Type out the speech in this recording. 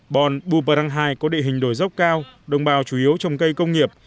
bòn bù bà răng hai có địa hình đổi dốc cao đồng bào chủ yếu trồng cây công nghiệp